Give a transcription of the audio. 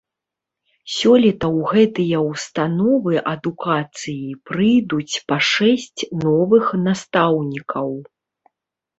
Сёлета ў гэтыя ўстановы адукацыі прыйдуць па шэсць новых настаўнікаў.